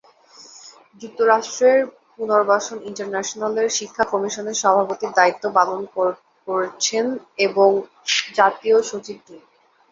যুক্তরাষ্ট্রের পুনর্বাসন ইন্টারন্যাশনালের শিক্ষা কমিশনের সভাপতির দায়িত্ব পালন করেছেন এবং তার জাতীয় সচিব তিনি।